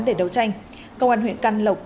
để đấu tranh công an huyện căn lộc